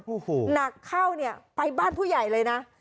โอ้โหหนักเข้าเนี่ยไปบ้านผู้ใหญ่เลยนะ